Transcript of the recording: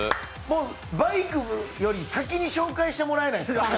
バイクより先に紹介してもらえないですか？